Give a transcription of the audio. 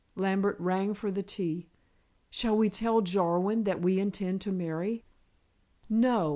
Lambert rang for the tea. "Shall we tell Jarwin that we intend to marry?" "No.